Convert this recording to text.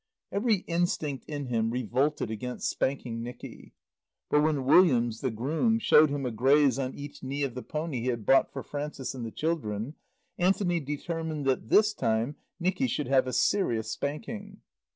Every instinct in him revolted against spanking Nicky. But when Williams, the groom, showed him a graze on each knee of the pony he had bought for Frances and the children, Anthony determined that, this time, Nicky should have a serious spanking.